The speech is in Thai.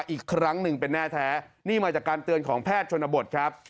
อีกครั้งหนึ่งเป็นแน่แท้นี่มาจากการเตือนของแพทย์ชนบทครับ